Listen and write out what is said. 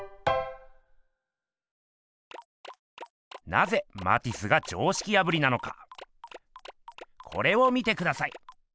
なぜマティスが常識破りなのかこれを見てください。